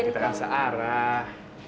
kita kan searah